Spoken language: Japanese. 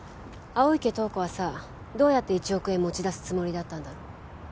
青池透子はさどうやって１億円持ち出すつもりだったんだろ